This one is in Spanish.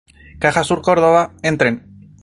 Cajasur Córdoba, Entren.